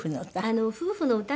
夫婦の歌？